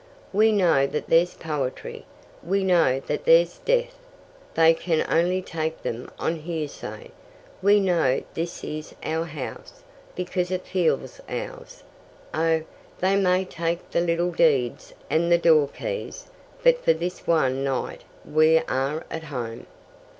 We know that there's poetry. We know that there's death. They can only take them on hearsay. We know this is our house, because it feels ours. Oh, they may take the title deeds and the doorkeys, but for this one night we are at home."